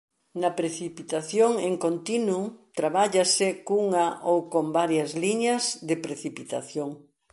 Na precipitación en continuo trabállese cunha ou con varias liñas de precipitación.